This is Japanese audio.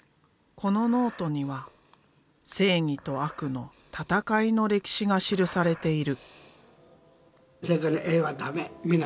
このノートには正義と悪の戦いの歴史が記されている。